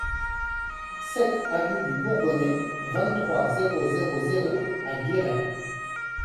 sept avenue du Bourbonnais, vingt-trois, zéro zéro zéro à Guéret